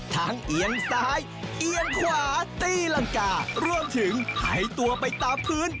เอียงซ้ายเอียงขวาตีรังการวมถึงหายตัวไปตามพื้น